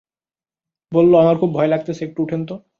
বলল, আমার খুব ভয় লাগতেছে, একটু উঠেন তো।